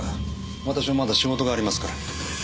私もまだ仕事がありますから。